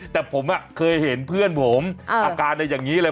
แต่ผมเคยเห็นเพื่อนผมอาการอย่างนี้เลย